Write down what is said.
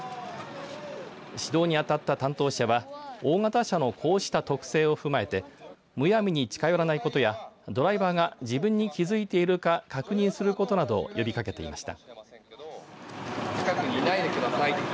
指導に当たった担当者は大型車のこうした特性を踏まえてむやみに近寄らないことやドライバーが自分に気づいているか確認することなどを呼びかけていました。